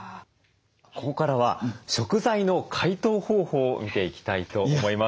ここからは食材の解凍方法を見ていきたいと思います。